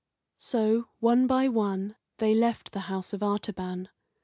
So, one by one, they left the house of Artaban.